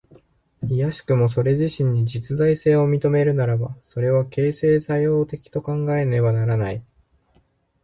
いやしくもそれ自身に実在性を認めるならば、それは形成作用的と考えられねばならない。